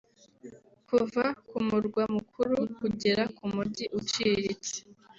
kuva ku murwa mukuru kugera ku mujyi uciriritse